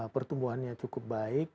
pertumbuhannya cukup baik